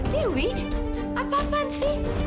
dewi apa apaan sih